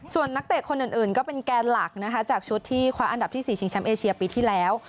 ส่วนนักเตะคนอื่นก็เป็นแกนหลักนะคะจากชุดที่คว้าอันดับที่๔ชิงแชมป์เอเชียปีที่แล้ว